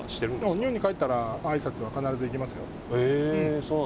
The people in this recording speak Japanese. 日本に帰ったらあいさつは必ず行きますよ。